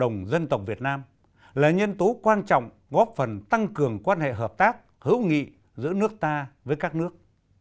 cộng đồng dân tộc việt nam là nhân tố quan trọng góp phần tăng cường quan hệ hợp tác hữu nghị giữa nước ta với các nước